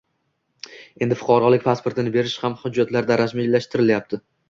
Endi fuqarolik pasportini berish uchun hujjatlar rasmiylashtirilyapti.